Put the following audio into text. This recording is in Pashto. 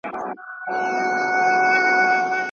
سخي انسان خدای ته نږدې دی.